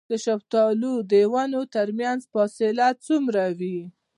د شفتالو د ونو ترمنځ فاصله څومره وي؟